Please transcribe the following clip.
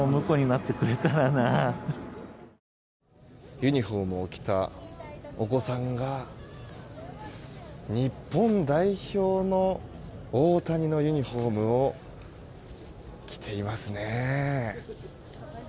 ユニホームを着たお子さんが日本代表の大谷のユニホームを着ていますね。